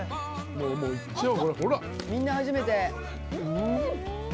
みんな初めて。